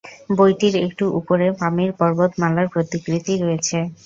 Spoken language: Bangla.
বইটির একটু উপরে পামির পর্বতমালার প্রতিকৃতি রয়েছে।